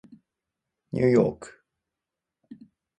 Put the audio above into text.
ニューヨーク